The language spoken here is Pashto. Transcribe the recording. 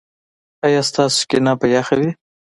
ایا ستاسو کینه به یخه وي؟